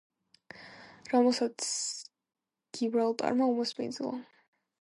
რომელსაც გიბრალტარმა უმასპინძლა.